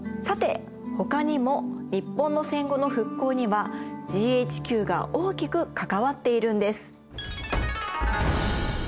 さてほかにも日本の戦後の復興にはＧＨＱが大きく関わっているんです。